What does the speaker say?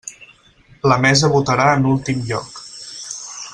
La mesa votarà en últim lloc.